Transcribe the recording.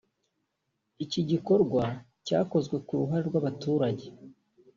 Iki gikorwa cyakozwe ku ruhare rw’abaturage